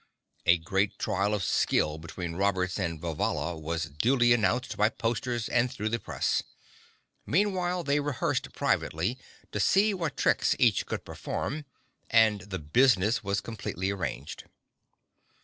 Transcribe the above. A great trial of skill between Roberts and Vivalla was duly announced by posters and through the press. Meanwhile, they rehearsed privately to see what tricks each could perform, and the "business" was completely arranged.